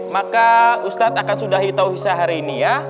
maka ustadz akan sudahi tau hisya hari ini ya